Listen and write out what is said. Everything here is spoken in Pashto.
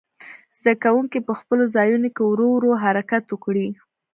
زده کوونکي په خپلو ځایونو کې ورو ورو حرکت وکړي.